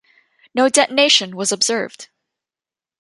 No detonation was observed.